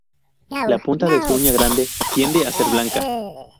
La punta de su uña grande tiende a ser blanca.